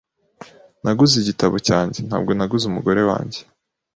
Naguze igitabo cyanjye, ntabwo naguze umugore wanjye.